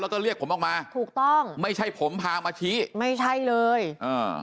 แล้วก็เรียกผมออกมาถูกต้องไม่ใช่ผมพามาชี้ไม่ใช่เลยอ่า